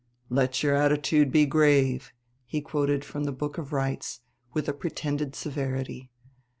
"Let your attitude be grave," he quoted from the Book of Rites with a pretended severity.